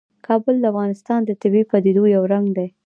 کابل د افغانستان د طبیعي پدیدو یو رنګ دی.